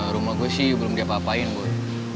rumah gue sih belum diapa apain bu